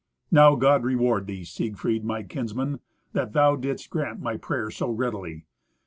"Now, God reward thee, Siegfried, my kinsman, that thou didst grant my prayer so readily.